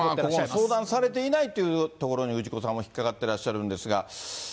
相談されていないというところに氏子さんは引っ掛かっていらっしゃるんですが。